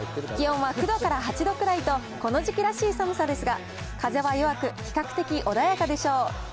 気温は９度から８度ぐらいと、この時期らしい寒さですが、風は弱く、比較的穏やかでしょう。